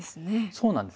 そうなんですよ。